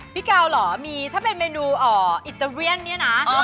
พี่กาวเหรอมีถ้าเป็นเมนูอิตาเวียนเนี่ยนะ